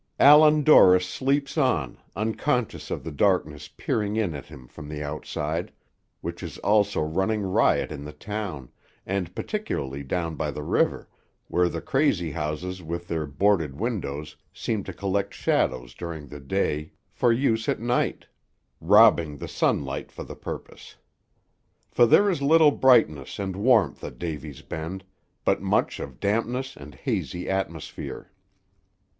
Allan Dorris sleeps on, unconscious of the darkness peering in at him from the outside, which is also running riot in the town, and particularly down by the river, where the crazy houses with their boarded windows seem to collect shadows during the day for use at night, robbing the sunlight for the purpose; for there is little brightness and warmth at Davy's Bend, but much of dampness and hazy atmosphere.